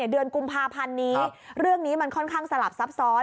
เดือนกุมภาพันธ์นี้เรื่องนี้มันค่อนข้างสลับซับซ้อน